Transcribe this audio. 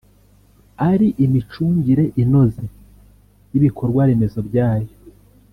ari imicungire inoze y’ibikorwaremezo byayo